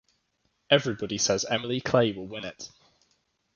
Everybody says Emily Clay will win it.